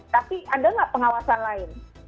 tapi ada nggak pengawasan lain